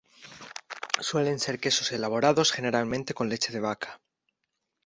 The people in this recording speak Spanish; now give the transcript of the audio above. Suelen ser quesos elaborados generalmente con leche de vaca.